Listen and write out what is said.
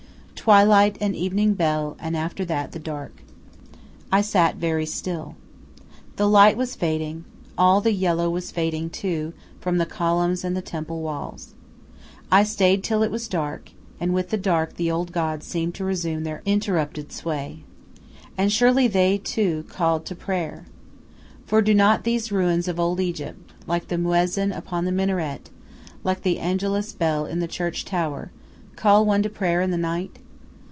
"Twilight and evening bell, and after that the dark." I sat very still. The light was fading; all the yellow was fading, too, from the columns and the temple walls. I stayed till it was dark; and with the dark the old gods seemed to resume their interrupted sway. And surely they, too, called to prayer. For do not these ruins of old Egypt, like the muezzin upon the minaret, like the angelus bell in the church tower, call one to prayer in the night?